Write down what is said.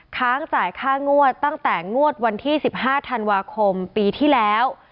ค้างจ่ายค่างวดตั้งแต่งวดวันที่๑๕ธันวาคมปีที่แล้ว